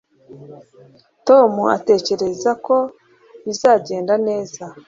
tom atekereza ko bizagenda neza